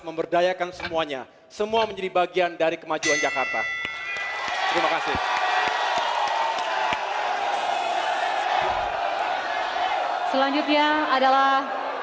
memberdayakan semuanya semua menjadi bagian dari kemajuan jakarta terima kasih selanjutnya adalah